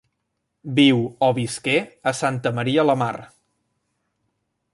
Viu, o visqué, a Santa Maria la Mar.